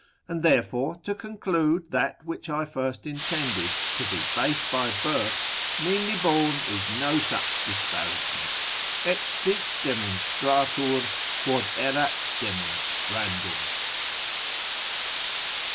And therefore to conclude that which I first intended, to be base by birth, meanly born is no such disparagement. Et sic demonstratur, quod erat demonstrandum.